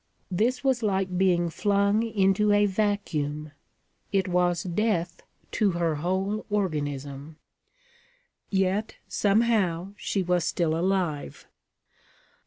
This was like being flung into a vacuum; it was death to her whole organism. Yet, somehow, she was still alive.